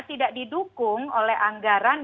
tidak didukung oleh anggaran